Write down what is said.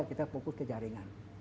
kita fokus ke jaringan